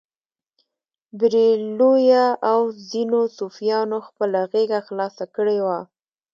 بریلویه او ځینو صوفیانو خپله غېږه خلاصه کړې وه.